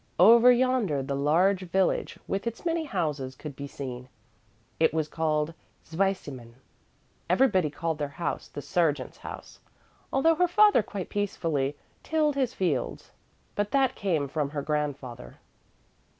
Over yonder the large village with its many houses could be seen. It was called Zweisimmen. Everybody called their house the sergeant's house, although her father quite peacefully tilled his fields. But that came from her grandfather.